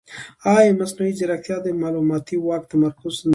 ایا مصنوعي ځیرکتیا د معلوماتي واک تمرکز نه زیاتوي؟